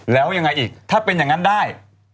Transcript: แล้วยังไงอีกถ้าเป็นอย่างนั้นได้